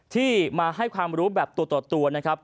ที่มาให้ความรู้แบบตัวต่อตัวนะครับ